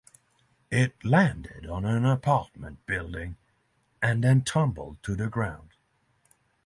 It landed on an apartment building and then tumbled to the ground.